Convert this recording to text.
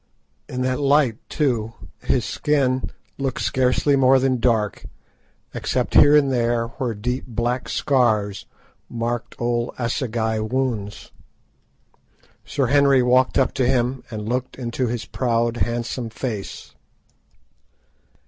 In that light, too, his skin looked scarcely more than dark, except here and there where deep black scars marked old assegai wounds. Sir Henry walked up to him and looked into his proud, handsome face.